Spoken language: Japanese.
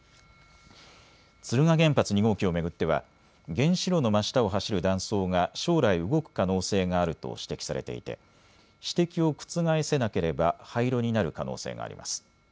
敦賀原発２号機を巡っては原子炉の真下を走る断層が将来、動く可能性があると指摘されていて指摘を覆せなければ廃炉になる可能性があります。